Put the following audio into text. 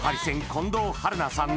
近藤春菜さん